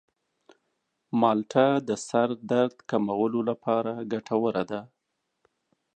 مالټه د سر درد کمولو لپاره ګټوره ده.